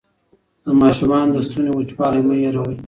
د ماشوم د ستوني وچوالی مه هېروئ.